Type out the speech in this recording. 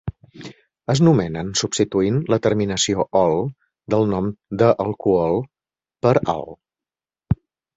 Es nomenen substituint la terminació -ol del nom de l'alcohol per -al.